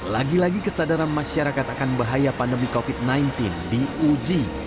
lagi lagi kesadaran masyarakat akan bahaya pandemi covid sembilan belas diuji